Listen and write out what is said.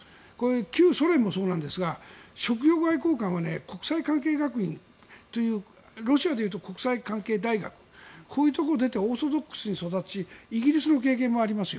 旧ソ連もそうなんですけど職業外交官は国際関係学院ロシアでいうと国際関係大学を出てオーソドックスに育ちイギリスの経験もありますよ。